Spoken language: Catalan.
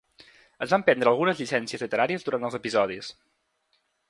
Es van prendre algunes llicències literàries durant els episodis.